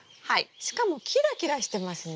しかもキラキラしてますね。